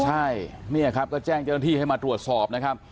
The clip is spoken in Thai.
ใช่เนี่ยครับก็แจ้งเจ้าหน้าที่ให้มาตรวจสอบนะครับ